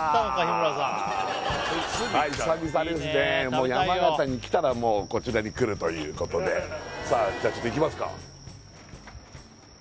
もう山形に来たらもうこちらに来るということでさあじゃあちょっと行きますか